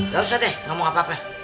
gak usah deh gak mau ngapain